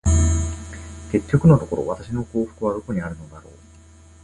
結局のところ、私の幸福はどこにあるのだろう。